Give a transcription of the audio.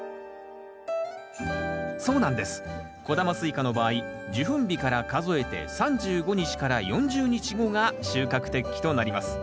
小玉スイカの場合受粉日から数えて３５日から４０日後が収穫適期となります。